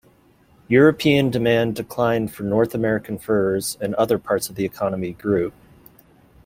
European demand declined for North American furs, and other parts of the economy grew.